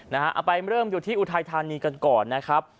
เอาไปเริ่มอยู่ที่อุทัยธานีกันก่อนนะครับ